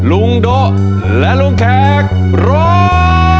โดะและลุงแขกร้อง